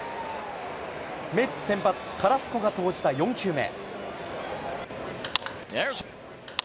メッツ先発、カラスコが投じた４球目。